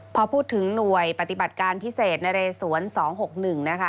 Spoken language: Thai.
พอพูดถึงหน่วยปฏิบัติการพิเศษนรสวนสองหกหนึ่งนะคะ